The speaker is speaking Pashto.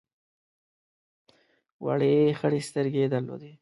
وړې خړې سترګې یې درلودې.